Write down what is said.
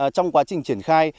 trong quá trình triển khai